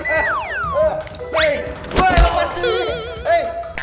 aduh makasih lah